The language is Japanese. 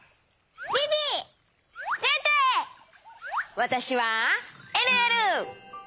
わたしはえるえる！